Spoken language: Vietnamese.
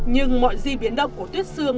nhưng mọi gì biến động của tuyết xương